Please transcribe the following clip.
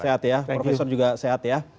sehat ya profesor juga sehat ya